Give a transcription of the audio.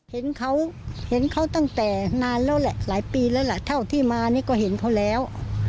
เห็นเขาเห็นเขาตั้งแต่นานแล้วแหละหลายปีแล้วล่ะเท่าที่มานี่ก็เห็นเขาแล้ว